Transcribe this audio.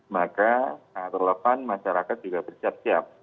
maka relevan masyarakat juga bersiap siap